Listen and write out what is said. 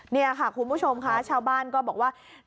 นี่ค่ะคุณผู้ชมค่ะชาวบ้านก็บอกว่า